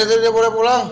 itu tidak boleh pulang